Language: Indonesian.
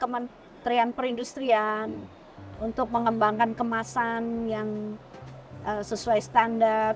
kemudian dengan kementrian perindustrian untuk mengembangkan kemasan yang sesuai standar